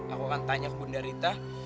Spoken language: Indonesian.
aku akan tanya ke bunda rita